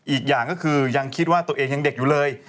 อีกอย่างก็คือยังคิดว่าตัวเองยังเด็กอยู่เลย